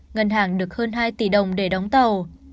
ngân hàng được hơn hai tỷ đồng để đóng tàu